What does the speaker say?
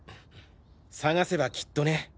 探せばきっとね。